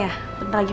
ya sudah selesai